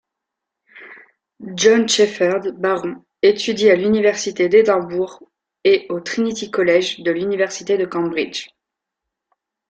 John Shepherd-Barron étudie à l’Université d'Édimbourg et au Trinity College de l'Université de Cambridge.